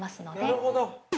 ◆なるほど。